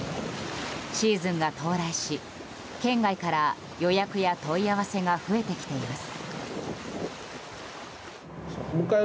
シーズンが到来し県外から予約や問い合わせが増えてきています。